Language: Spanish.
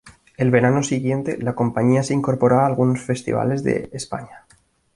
El verano siguiente, la compañía se incorporó a algunos Festivales de España.